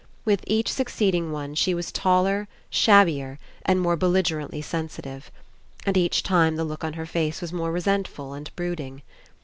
With each succeeding one she was taller, shabbier, and more belligerently sensitive. And each time the look on her face was more resentful and brooding.